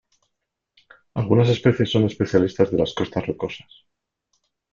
Algunas especies son especialistas de las costas rocosas.